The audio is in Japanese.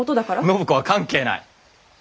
暢子は関係ない！